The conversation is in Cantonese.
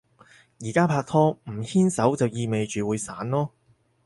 而家拍拖，唔牽手就意味住會散囉